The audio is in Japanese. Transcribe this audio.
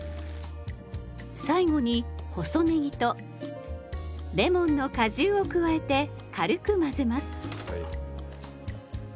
最後に細ねぎとレモンの果汁を加えて軽く混ぜます。